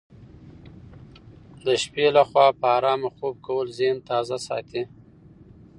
د شپې لخوا په ارامه خوب کول ذهن تازه ساتي.